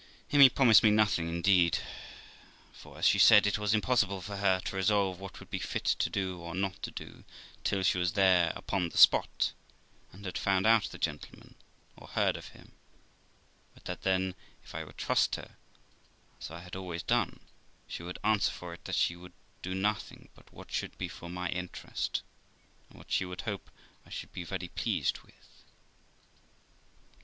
Amy promised me nothing, indeed; for, as she said, it was impossible for her to resolve what would be fit to do, or not to do, till she was there upon the spot, and had found out the gentleman, or heard of him; but that then, if I would trust her, as I had always done, she would answer for it that she would do nothing but what should be for my interest, and what she would hope I should be very well pleased with.